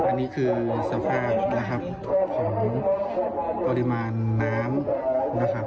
อันนี้คือสภาพของปริมาณน้ำที่ท่อม